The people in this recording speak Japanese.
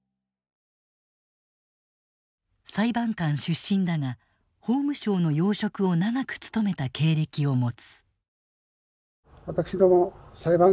裁判官出身だが法務省の要職を長く務めた経歴を持つ。